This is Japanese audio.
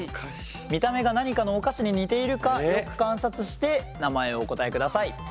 見た目が何かのお菓子に似ているかよく観察して名前をお答えください。